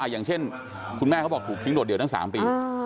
อย่างเช่นคุณแม่เขาบอกถูกทิ้งโดดเดี่ยวทั้ง๓ปี